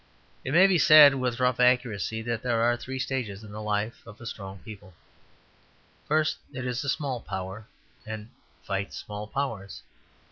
It may be said with rough accuracy that there are three stages in the life of a strong people. First, it is a small power, and fights small powers.